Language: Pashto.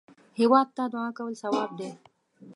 هېواد ته دعا کول ثواب دی